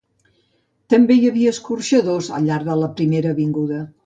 També hi havia escorxadors al llarg de la Primera avinguda.